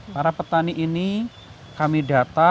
para petani ini kami data